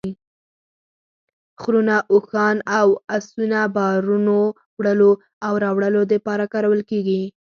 خرونه ، اوښان او اسونه بارونو وړلو او راوړلو دپاره کارول کیږي